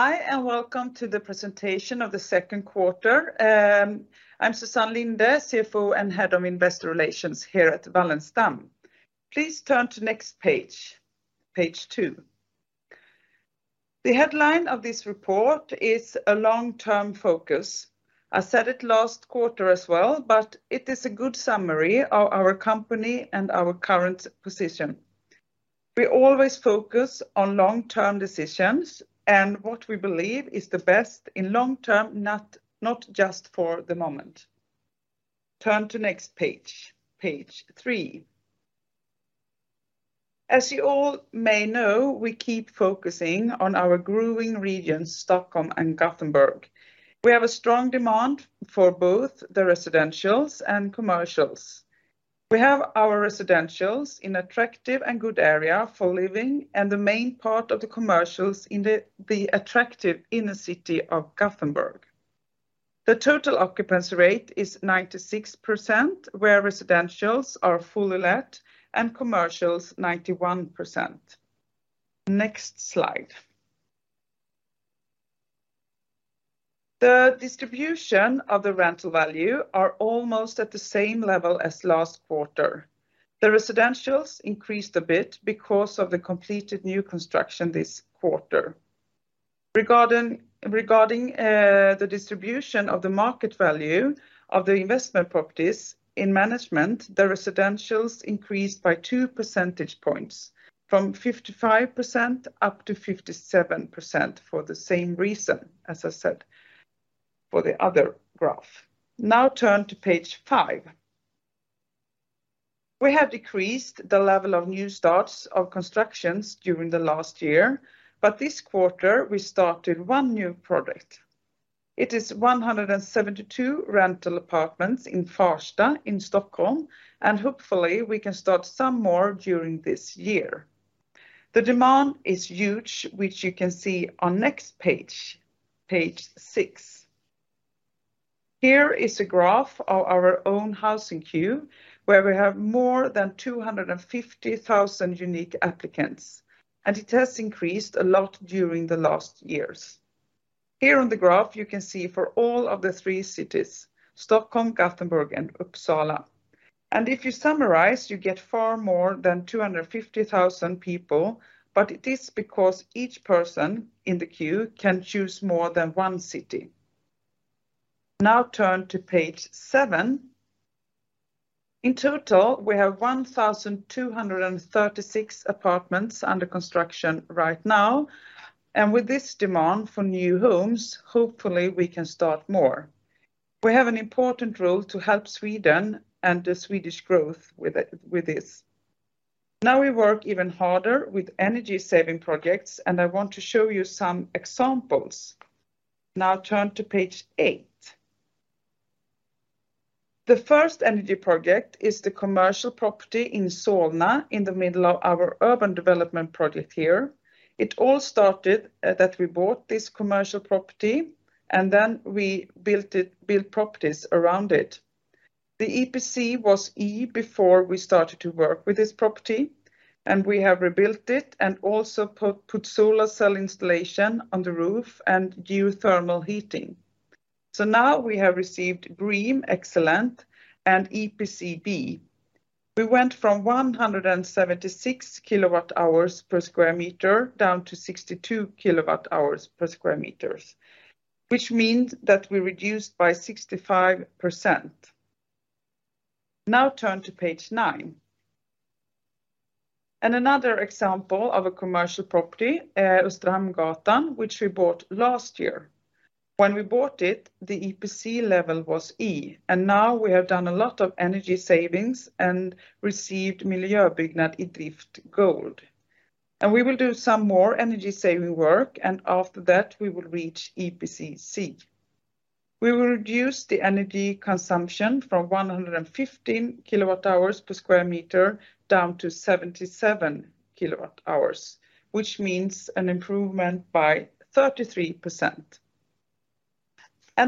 Hi, welcome to the presentation of the second quarter. I'm Susann Linde, CFO and Head of Investor Relations here at Wallenstam. Please turn to next Page 2. The headline of this report is a long-term focus. I said it last quarter as well, it is a good summary of our company and our current position. We always focus on long-term decisions and what we believe is the best in long term, not just for the moment. Turn to next Page 3. As you all may know, we keep focusing on our growing regions, Stockholm and Gothenburg. We have a strong demand for both the residentials and commercials. We have our residentials in attractive and good area for living, and the main part of the commercials in the attractive inner city of Gothenburg. The total occupancy rate is 96%, where residentials are fully let, and commercials, 91%. Next slide. The distribution of the rental value are almost at the same level as last quarter. The residentials increased a bit because of the completed new construction this quarter. Regarding the distribution of the market value of the investment properties in management, the residentials increased by 2 percentage points, from 55% up to 57% for the same reason, as I said, for the other graph. Turn to page five. We have decreased the level of new starts of constructions during the last year. This quarter, we started one new project. It is 172 rental apartments in Farsta, in Stockholm. Hopefully, we can start some more during this year. The demand is huge, which you can see on next Page 6. Here is a graph of our own housing queue, where we have more than 250,000 unique applicants, and it has increased a lot during the last years. Here on the graph, you can see for all of the three cities, Stockholm, Gothenburg, and Uppsala. If you summarize, you get far more than 250,000 people, but it is because each person in the queue can choose more than one city. Turn to Page 7. In total, we have 1,236 apartments under construction right now, and with this demand for new homes, hopefully, we can start more. We have an important role to help Sweden and the Swedish growth with it, with this. We work even harder with energy-saving projects, and I want to show you some examples. Turn to Page 8. The first energy project is the commercial property in Solna, in the middle of our urban development project here. It all started that we bought this commercial property, and then we built properties around it. The EPC was E before we started to work with this property, and we have rebuilt it, and also put solar cell installation on the roof and geothermal heating. Now we have received BREEAM Excellent and EPC-B. We went from 176 kWh per square meter, down to 62 kWh per square meters, which means that we reduced by 65%. Turn to Page 9. Another example of a commercial property, Östramöllangatan, which we bought last year. When we bought it, the EPC level was E, and now we have done a lot of energy savings and received Miljöbyggnad iDrift Gold. We will do some more energy-saving work, and after that, we will reach EPC-C. We will reduce the energy consumption from 115 kWh per sq m, down to 77 kWh, which means an improvement by 33%.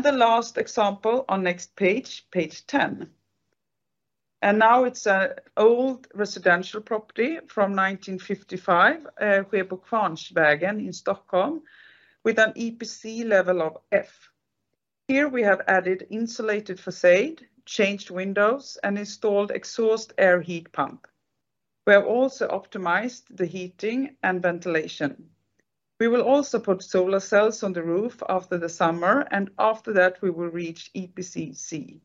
The last example on next Page 10. Now it's an old residential property from 1955, Sjöbokvarnsvägen in Stockholm, with an EPC level of F. Here, we have added insulated facade, changed windows, and installed exhaust air heat pump. We have also optimized the heating and ventilation. We will also put solar cells on the roof after the summer, and after that, we will reach EPC-C,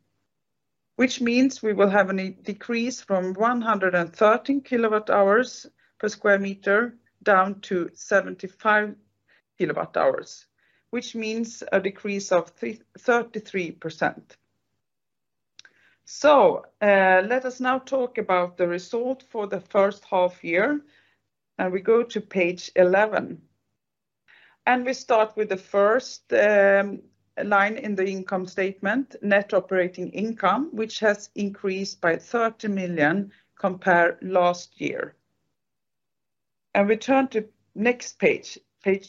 which means we will have a decrease from 113 kWh per sq m, down to 75 kWh, which means a decrease of 33%. Let us now talk about the result for the first half year. We go to Page 11. We start with the first line in the income statement, Net Operating Income, which has increased by 30 million compared last year. We turn to next Page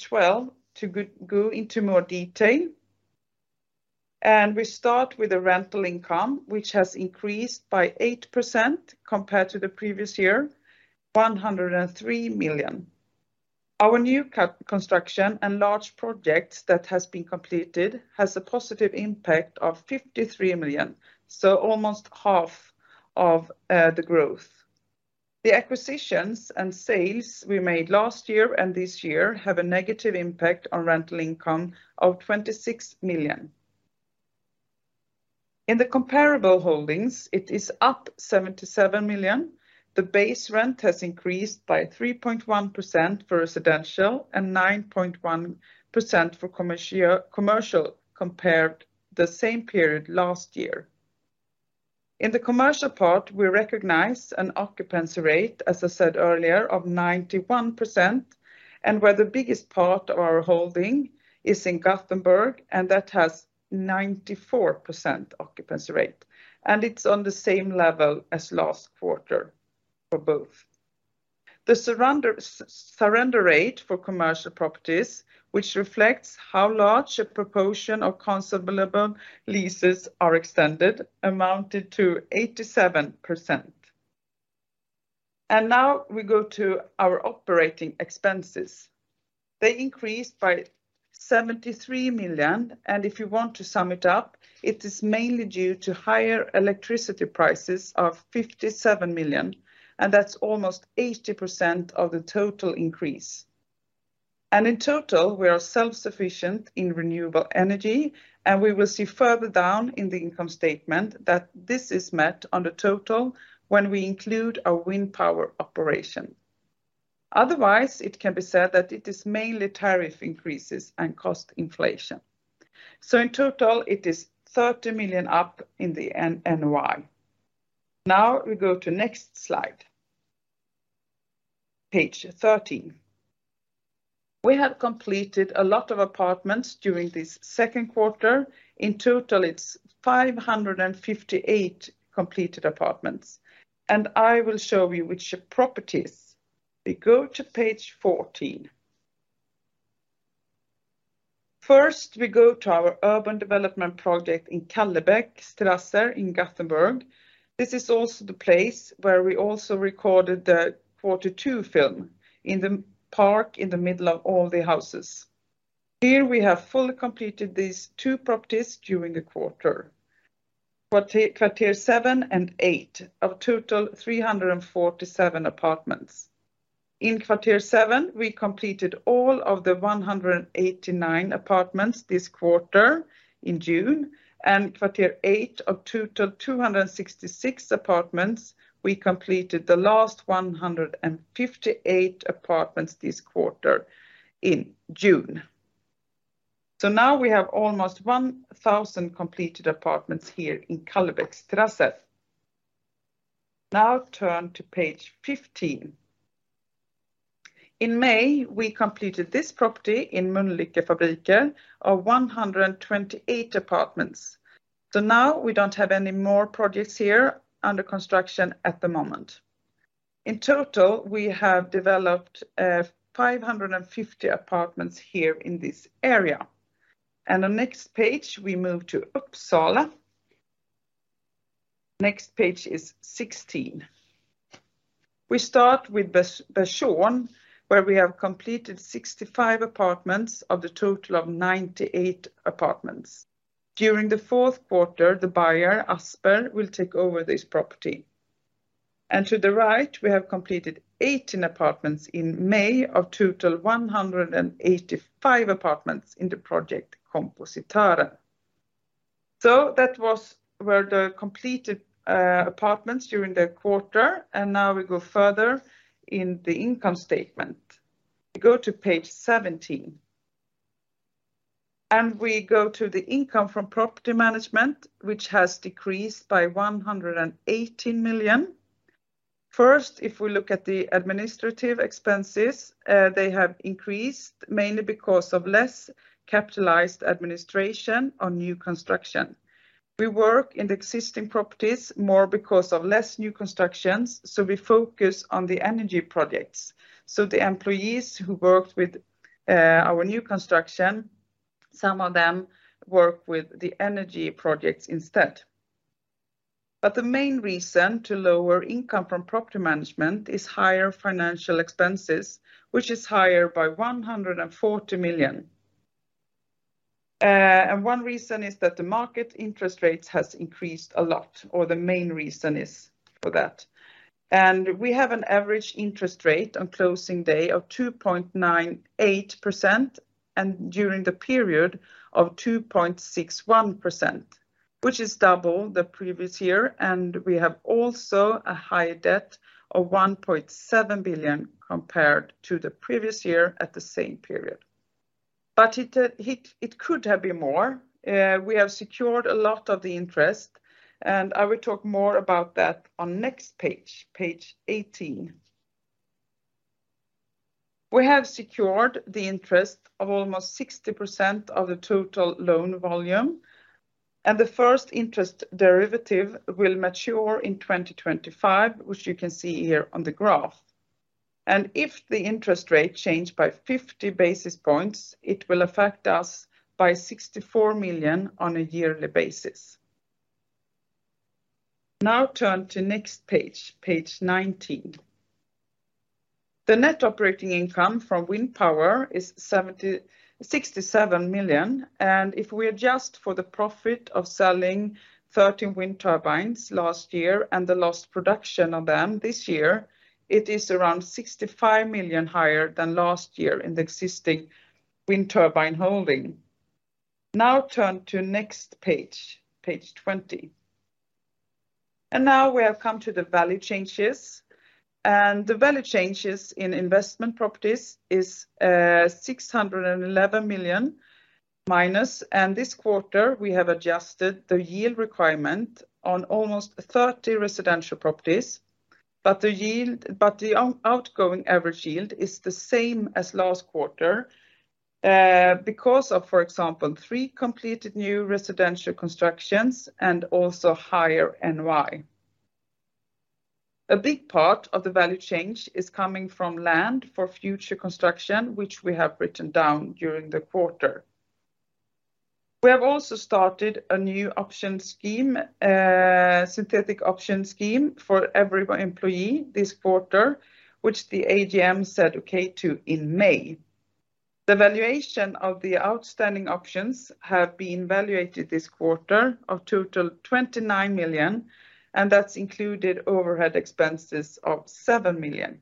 12, to go into more detail. We start with the rental income, which has increased by 8% compared to the previous year, 103 million. Our new construction and large projects that has been completed has a positive impact of 53 million, so almost half of the growth. The acquisitions and sales we made last year and this year have a negative impact on rental income of 26 million. In the comparable holdings, it is up 77 million. The base rent has increased by 3.1% for residential and 9.1% for commercial, compared the same period last year. In the commercial part, we recognize an occupancy rate, as I said earlier, of 91%, and where the biggest part of our holding is in Gothenburg, and that has 94% occupancy rate, and it's on the same level as last quarter for both. The surrender rate for commercial properties, which reflects how large a proportion of considerable leases are extended, amounted to 87%. Now we go to our operating expenses. They increased by 73 million, and if you want to sum it up, it is mainly due to higher electricity prices of 57 million, and that's almost 80% of the total increase. In total, we are self-sufficient in renewable energy, and we will see further down in the income statement that this is met on the total when we include our wind power operation. It can be said that it is mainly tariff increases and cost inflation. In total, it is 30 million up in the NNY. We go to next slide. Page 13. We have completed a lot of apartments during this second quarter. In total, it's 558 completed apartments, and I will show you which properties. We go to Page 14. First, we go to our urban development project in Kallebäcks Terrasser in Gothenburg. This is also the place where we also recorded the quarter two film, in the park in the middle of all the houses. Here, we have fully completed these two properties during the quarter. Quarter 7 and 8, of total 347 apartments. In quarter 7, we completed all of the 189 apartments this quarter in June, and quarter 8, of total 266 apartments, we completed the last 158 apartments this quarter in June. Now we have almost 1,000 completed apartments here in Kallebäcks Terrasser. Now turn to page 15. In May, we completed this property in Mölnlycke Fabriker of 128 apartments. Now we don't have any more projects here under construction at the moment. In total, we have developed 550 apartments here in this area, and the next page, we move to Uppsala. Next page is 16. We start with Sjön, where we have completed 65 apartments of the total of 98 apartments. During the fourth quarter, the buyer, Asper, will take over this property. To the right, we have completed 18 apartments in May, of total 185 apartments in the project Kompositören. That was where the completed apartments during the quarter, and now we go further in the income statement. We go to page 17. We go to the income from property management, which has decreased by 118 million. First, if we look at the administrative expenses, they have increased mainly because of less capitalized administration on new construction. We work in the existing properties more because of less new constructions, so we focus on the energy projects. The employees who worked with our new construction, some of them work with the energy projects instead. The main reason to lower income from property management is higher financial expenses, which is higher by 140 million. One reason is that the market interest rates has increased a lot, or the main reason is for that. We have an average interest rate on closing day of 2.98%, and during the period of 2.61%, which is double the previous year, and we have also a higher debt of 1.7 billion compared to the previous year at the same period. It could have been more. We have secured a lot of the interest, and I will talk more about that on next Page 18. We have secured the interest of almost 60% of the total loan volume, and the first interest derivative will mature in 2025, which you can see here on the graph. If the interest rate changed by 50 basis points, it will affect us by 64 million on a yearly basis. Now turn to next Page 19. The Net Operating Income from wind power is 67 million, and if we adjust for the profit of selling 13 wind turbines last year and the lost production of them this year, it is around 65 million higher than last year in the existing wind turbine holding. Now turn to next page 20. Now we have come to the value changes, the value changes in investment properties is 611 million minus. This quarter, we have adjusted the yield requirement on almost 30 residential properties. The outgoing average yield is the same as last quarter because of, for example, three completed new residential constructions and also higher NOI. A big part of the value change is coming from land for future construction, which we have written down during the quarter. We have also started a new option scheme, synthetic option scheme, for every employee this quarter, which the AGM said okay to in May. The valuation of the outstanding options have been valuated this quarter of total 29 million. That's included overhead expenses of 7 million.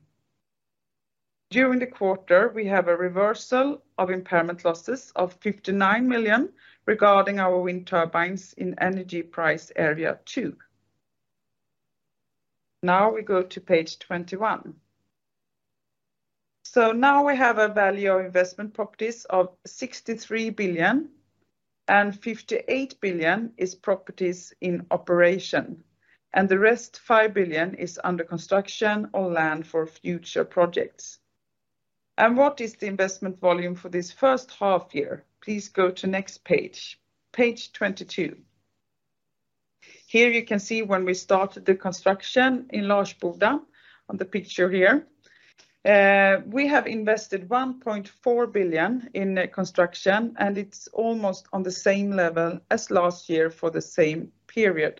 During the quarter, we have a reversal of impairment losses of 59 million regarding our wind turbines in energy price area two. We go to Page 21. We have a value of investment properties of 63 billion, and 58 billion is properties in operation, and the rest, 5 billion, is under construction or land for future projects. What is the investment volume for this first half year? Please go to next Page 22. Here you can see when we started the construction in Larsboda on the picture here. We have invested 1.4 billion in construction, and it's almost on the same level as last year for the same period.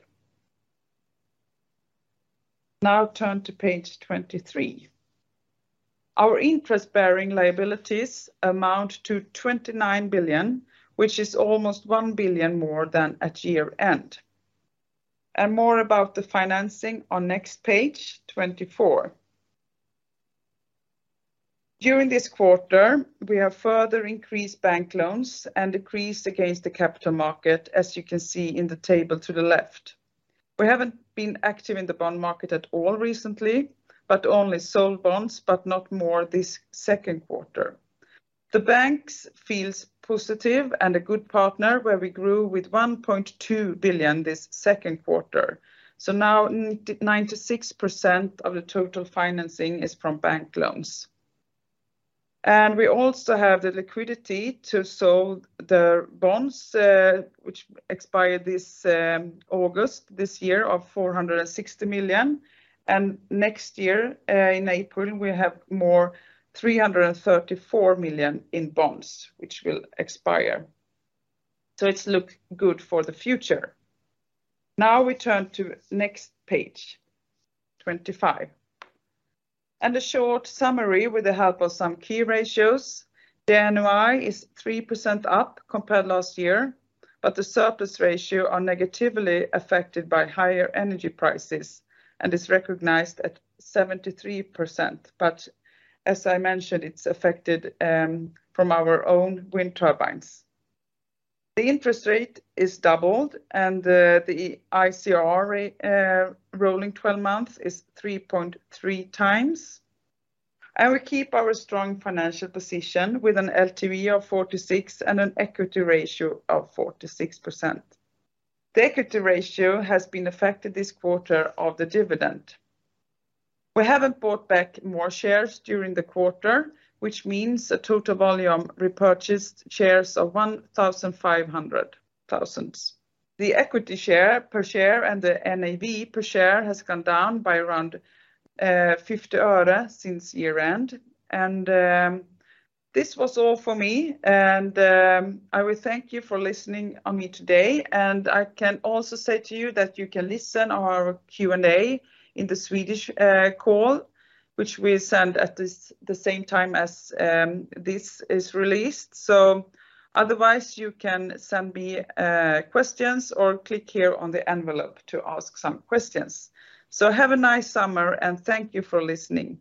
Turn to Page 23. Our interest-bearing liabilities amount to 29 billion, which is almost 1 billion more than at year-end. More about the financing on next Page, 24. During this quarter, we have further increased bank loans and decreased against the capital market, as you can see in the table to the left. We haven't been active in the bond market at all recently, but only sold bonds, but not more this second quarter. The banks feels positive and a good partner, where we grew with 1.2 billion this second quarter. Now 96% of the total financing is from bank loans. We also have the liquidity to sell the bonds, which expired this August this year of 460 million, and next year, in April, we have more, 334 million in bonds, which will expire. It's look good for the future. Now we turn to next Page, 25. A short summary with the help of some key ratios. The NOI is 3% up compared last year, the surplus ratio are negatively affected by higher energy prices and is recognized at 73%. As I mentioned, it's affected from our own wind turbines. The interest rate is doubled, the ICR rolling 12 months is 3.3x, we keep our strong financial position with an LTV of 46 and an equity ratio of 46%. The equity ratio has been affected this quarter of the dividend. We haven't bought back more shares during the quarter, which means a total volume repurchased shares of 1,500 thousands. The equity share per share and the NAV per share has gone down by around 50 öre since year-end, this was all for me, I will thank you for listening on me today. I can also say to you that you can listen our Q&A in the Swedish call, which we send at the same time as this is released. Otherwise, you can send me questions or click here on the envelope to ask some questions. Have a nice summer, and thank you for listening.